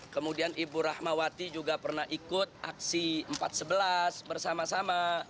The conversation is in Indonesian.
kemudian ibu rahmawati juga pernah ikut aksi empat sebelas bersama sama